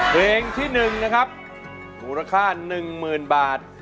เพลงที่๑นะครับมูลค่า๑๐๐๐บาท